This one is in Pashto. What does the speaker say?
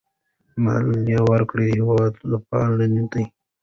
مالیه ورکول هېوادپالنه ده.